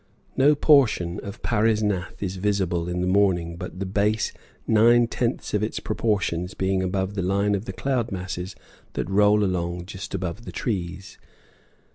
No portion of Parisnath is visible in the morning but the base, nine tenths of its proportions being above the line of the cloud masses that roll along just above the trees.